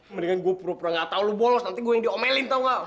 mendingan gua pura pura ga tau lo bolos nanti gua yang diomelin tau ga